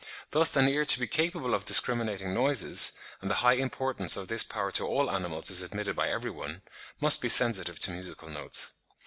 Thus an ear to be capable of discriminating noises—and the high importance of this power to all animals is admitted by every one—must be sensitive to musical notes.